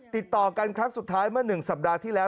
ติดต่อกันครั้งสุดท้ายเมื่อ๑สัปดาห์ที่แล้ว